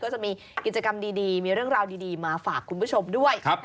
จะมีกิจกรรมดีมีเรื่องราวดีมาฝากคุณผู้ชมด้วย